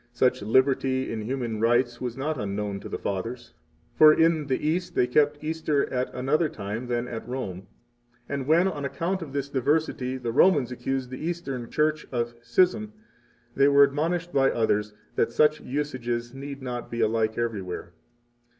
42 Such liberty in human rites was not unknown to the Fathers. 43 For in the East they kept Easter at another time than at Rome, and when, on account of this diversity, the Romans accused the Eastern Church of schism, they were admonished by others 44 that such usages need not be alike everywhere.